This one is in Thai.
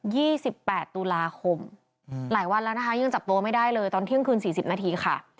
สิบแปดตุลาคมอืมหลายวันแล้วนะคะยังจับตัวไม่ได้เลยตอนเที่ยงคืนสี่สิบนาทีค่ะ